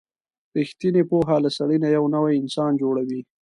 رښتینې پوهه له سړي نه یو نوی انسان جوړوي.